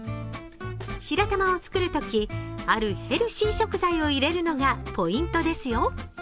白玉を作るとき、あるヘルシー食材を入れるのがポイントですよ。